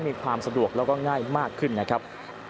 มีความสะดวกแล้วก็ง่ายมากขึ้นนะครับ